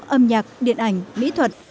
âm nhạc điện ảnh mỹ thuật